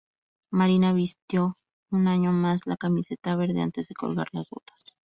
Marina vistió un año más la camiseta verde antes de colgar las botas.